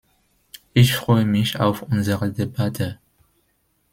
Ich freue mich auf unsere Debatte.